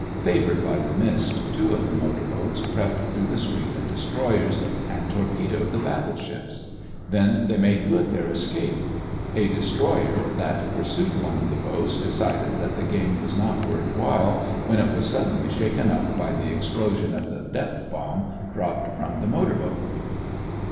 Favored by the mist, two of the motor boats crept through the screen of destroyers, and torpedoed the battle ships. Then they made good their escape. A destroyer that pursued one of the boats decided that the game was not worth while when it was suddenly shaken up by the explosion of a depth bomb dropped from the motor boat.